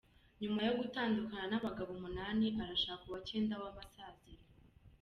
Nyuma yo gutandukana n’abagabo Umunani arashaka uwa Cyenda w’amasaziro